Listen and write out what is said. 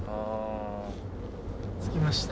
着きました。